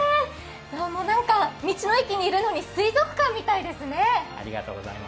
道の駅にいるのに水族館みたいですね。